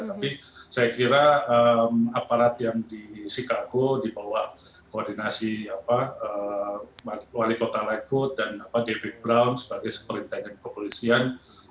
tapi saya kira aparat yang di chicago dibawah koordinasi wali kota lightfoot dan david brown sebagai superintendent kepolisian